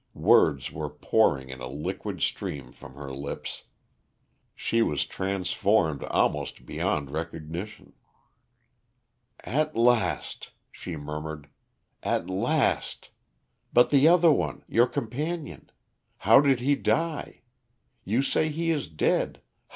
Words were pouring in a liquid stream from her lips; she was transformed almost beyond recognition. "At last," she murmured, "at last! But the other one your companion. How did he die? You say he is dead.